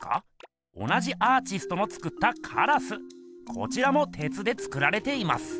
こちらもてつで作られています。